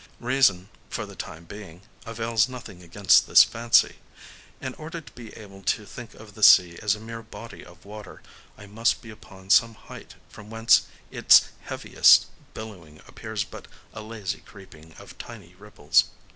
Reason, for the time being, avails nothing against this fancy. In order to be able to think of the sea as a mere body of water, I must be upon some height from whence its heaviest billowing appears but a lazy creeping of tiny ripples.